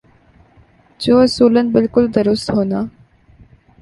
جو اصولا بالکل درست ہونا ۔